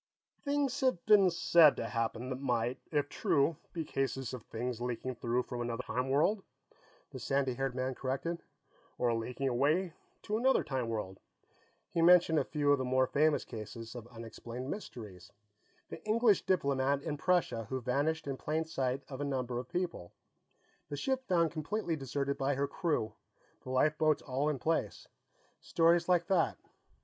"Things have been said to have happened that might, if true, be cases of things leaking through from another time world," the sandy haired man corrected. "Or leaking away to another time world." He mentioned a few of the more famous cases of unexplained mysteries the English diplomat in Prussia who vanished in plain sight of a number of people, the ship found completely deserted by her crew, the lifeboats all in place; stories like that.